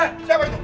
eh siapa itu